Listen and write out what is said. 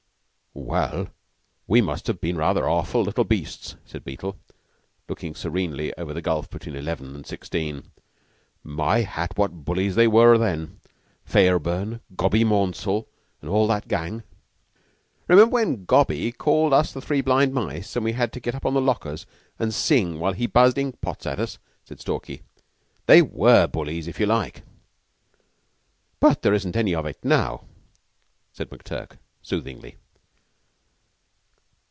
"Well, we must have been rather awful little beasts," said Beetle, looking serenely over the gulf between eleven and sixteen. "My Hat, what bullies they were then Fairburn, 'Gobby' Maunsell, and all that gang!" "'Member when 'Gobby' called us the Three Blind Mice, and we had to get up on the lockers and sing while he buzzed ink pots at us?" said Stalky. "They were bullies if you like!" "But there isn't any of it now," said McTurk soothingly.